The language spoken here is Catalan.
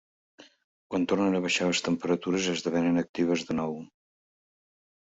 Quan tornen a baixar les temperatures, esdevenen actives de nou.